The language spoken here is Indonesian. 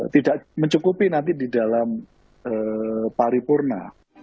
tidak mencukupi nanti di dalam pari purna